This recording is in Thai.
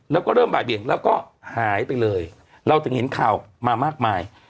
แล้วก็เริ่มบ่ายเบียงแล้วก็หายไปเลยเราถึงเห็นข่าวมามากมาย